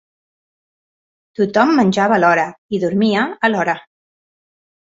Tot-hom menjava a l'hora, i dormia a l'hora